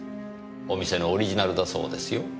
お店のオリジナルだそうですよ。